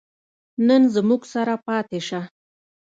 نن زموږ سره پاتې شه